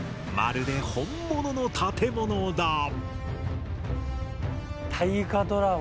まるで本物の建物だ。